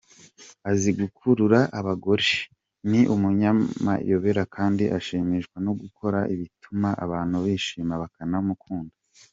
Azi gukurura abagore, ni umunyamayobera kandi ashimishwa no gukora ibituma abantu bishima bakanamukunda.